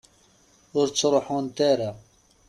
Ur ttruḥunt ara.